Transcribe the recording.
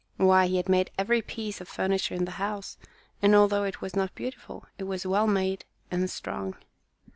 Why, he had made every piece of furniture in the house; and although it was not beautiful, it was well made and strong.